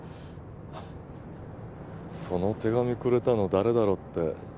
その手紙くれたの誰だろって